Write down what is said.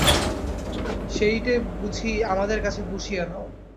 সেইটে বুঝি আমাদের কাছে পুষিয়ে নাও।